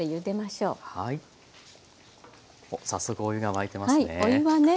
おっ早速お湯が沸いてますね。